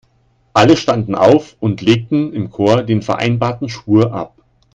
Alle standen auf und legten im Chor den vereinbarten Schwur ab.